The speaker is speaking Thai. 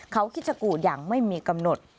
เขาคิดจะกูอย่างไม่มีกำหนด